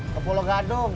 ke pulau gadung